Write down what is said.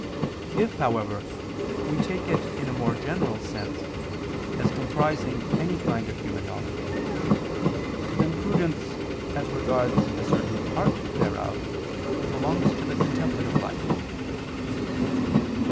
If, however, we take it in a more general sense, as comprising any kind of human knowledge, then prudence, as regards a certain part thereof, belongs to the contemplative life.